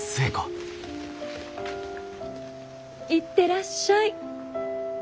行ってらっしゃい。